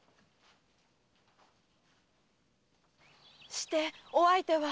してお相手は？